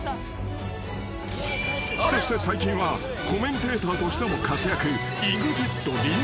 ［そして最近はコメンテーターとしても活躍］